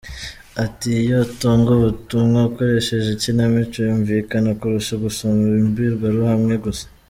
Ati “Iyo utanga ubutumwa ukoresheje ikinamico yumvikana kurusha gusoma imbwirwaruhame gusa.